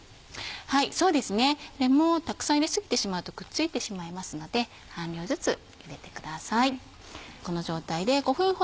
そうですねこれもたくさん入れ過ぎてしまうとくっついてしまいますので半量ずつ入れてください。